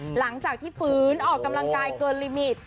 หลังจากที่ฟื้นออกกำลังกายเกินลิมิต